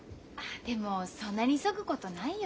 でもそんなに急ぐことないよ。